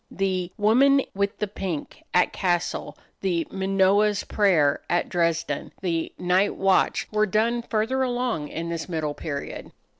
The "Woman with the Pink," at Cassel, the "Manoah's Prayer," at Dresden, the "Night Watch," were done further along in this middle period.